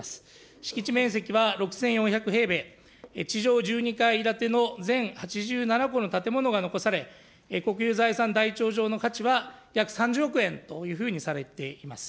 敷地面積は６４００平米、地上１２階建ての全８７戸の建物が残され、国有財産台帳上の価値は約３０億円というふうにされています。